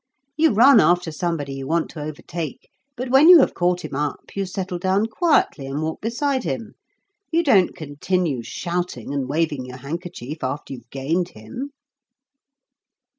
You run after somebody you want to overtake; but when you have caught him up, you settle down quietly and walk beside him; you don't continue shouting and waving your handkerchief after you have gained him.